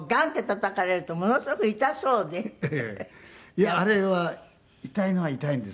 いやあれは痛いのは痛いんです。